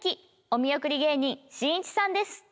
お見送り芸人しんいちさんです。